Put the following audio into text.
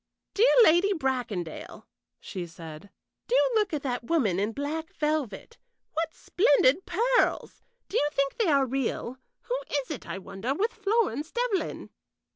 "Dear Lady Bracondale," she said, "do look at that woman in black velvet. What splendid pearls! Do you think they are real? Who is it, I wonder, with Florence Devlyn?"